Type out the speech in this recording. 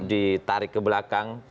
ditarik ke belakang